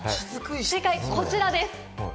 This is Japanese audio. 正解はこちらです。